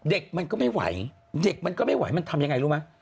เด็กมันก็ไม่ไหวเด็กมันก็ไม่ไหวมันทำยังไงรู้ไหม